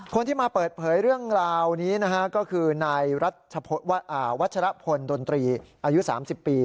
คนที่มาเปิดเผยเรื่องราวนี้นะฮะก็คือนายวัชรพลดนตรีอายุ๓๐ปี